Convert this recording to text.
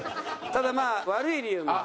ただまあ悪い理由も。